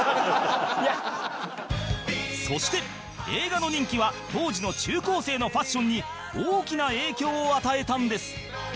そして映画の人気は当時の中高生のファッションに大きな影響を与えたんです